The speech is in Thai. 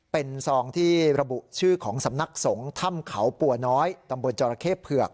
เป็นซองที่ระบุชื่อของสำนักสงฆ์ถ้ำเขาปัวน้อยตำบลจรเข้เผือก